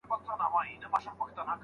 ماشومه د خپلې کورنۍ خبرې اوري.